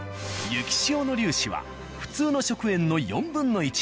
雪塩の粒子は普通の食塩の４分の１。